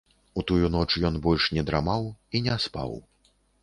У тую ноч ён больш не драмаў і не спаў.